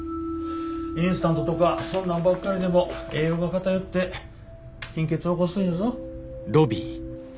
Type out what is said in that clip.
インスタントとかそんなんばっかりでも栄養が偏って貧血起こすんやぞ。